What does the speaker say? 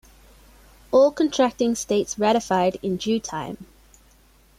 All Contracting States ratified in due time.